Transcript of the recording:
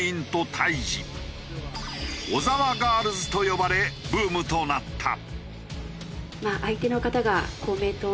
小沢ガールズと呼ばれブームとなった。